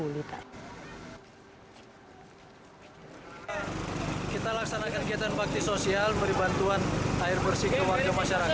kita laksanakan kegiatan bakti sosial beri bantuan air bersih ke warga masyarakat